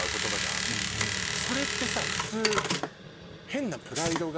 それってさ普通。